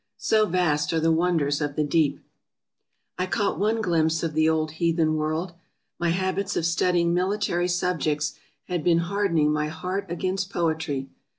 So vast are the won ders of the deep ! I caught one glimpse of the old heathen world. My habits of studying military subjects had been hardening my heart against poetry.